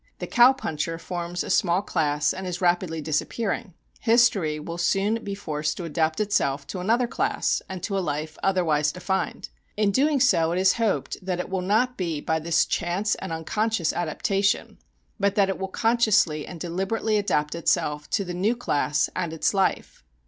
The "cow puncher" forms a small class, and is rapidly disappearing; history will soon be forced to adapt itself to another class and to a life otherwise defined. In doing so it is hoped that it will not be by this chance and unconscious adaptation, but that it will consciously and deliberately adapt itself to the new class and its life.